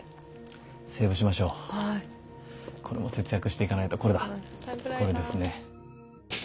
これも節約していかないとこれだこれですね。